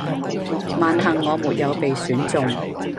萬幸我沒有被選中